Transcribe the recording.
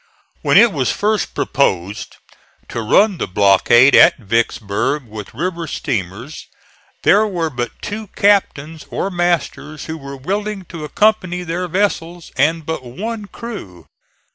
When it was first proposed to run the blockade at Vicksburg with river steamers there were but two captains or masters who were willing to accompany their vessels, and but one crew.